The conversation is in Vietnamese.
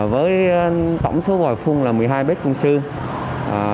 với tổng số vòi phung là một mươi hai bếp phung xương